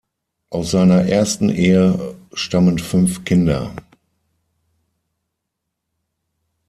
Aus seiner ersten Ehe stammen fünf Kinder.